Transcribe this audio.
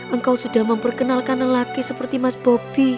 engkau sudah memperkenalkan lelaki seperti mas bobi